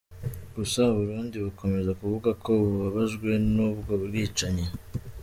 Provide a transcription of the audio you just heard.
Gusa u Burundi bukomeza kuvuga ko bubabajwe n’ubwo bwicanyi.